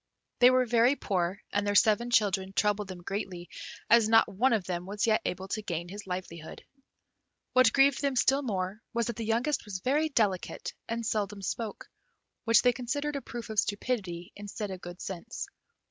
They were very poor, and their seven children troubled them greatly, as not one of them was yet able to gain his livelihood. What grieved them still more was that the youngest was very delicate, and seldom spoke, which they considered a proof of stupidity instead of good sense.